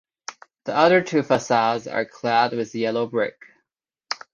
The other two facades are clad with yellow brick.